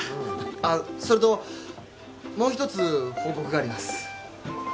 あっそれともう一つ報告があります。